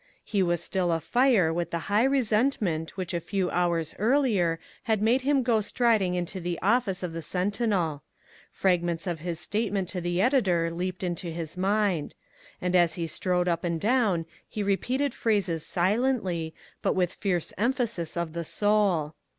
He was still afire with the high resentment which a few hours earlier had made him go striding into the office of the Sentinel. Fragments of his statement to the editor leaped into his mind; and as he strode up and down he repeated phrases silently, but with fierce emphasis of the soul.